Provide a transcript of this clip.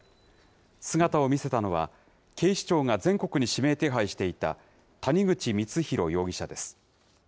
姿を見せたのは、警視庁が全国に指名手配していた谷口光弘容疑者です。